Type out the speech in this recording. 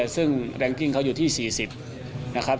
ซึ่งแรงกิ้งเขาอยู่ที่๔๐นะครับ